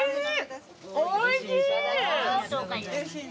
おいしい！